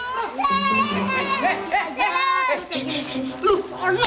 bawa di belakang lagi latihan